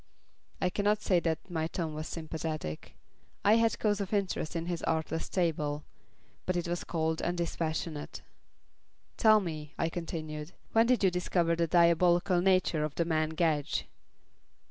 I cannot say that my tone was sympathetic. I had cause for interest in his artless tale, but it was cold and dispassionate. "Tell me," I continued, "when did you discover the diabolical nature of the man Gedge?"